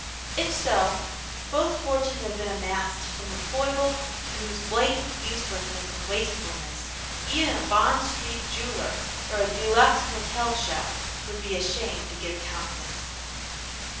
If so, both fortunes have been amassed from a foible to whose blatant uselessness and wastefulness even a Bond Street jeweller or a de luxe hotel chef would be ashamed to give countenance.